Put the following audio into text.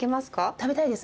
食べたいです。